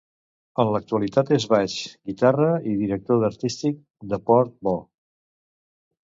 En l'actualitat és baix, guitarra i director artístic de Port Bo.